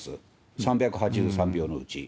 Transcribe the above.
３８３票のうち。